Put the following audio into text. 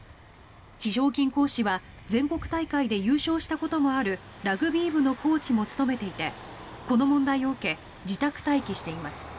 非常勤講師は全国大会で優勝したこともあるラグビー部のコーチも務めていてこの問題を受け自宅待機しています。